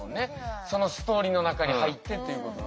そのストーリーの中に入ってっていうこと。